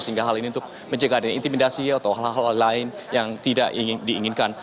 sehingga hal ini untuk menjaga intimidasi atau hal hal lain yang tidak diinginkan